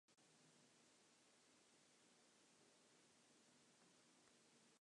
He presented himself to the Spaniards, naked and covered by a black pigmentation.